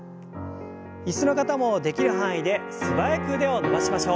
椅子の方もできる範囲で素早く腕を伸ばしましょう。